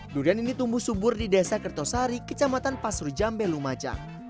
durian ini tumbuh subur di desa kertosari kecamatan pasru jambe lumajang